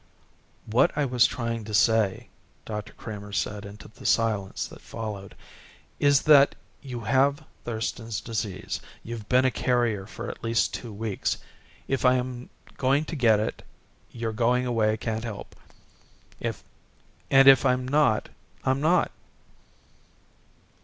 "What I was trying to say," Dr. Kramer said into the silence that followed, "is that if you have Thurston's Disease, you've been a carrier for at least two weeks. If I am going to get it, your going away can't help. And if I'm not, I'm not."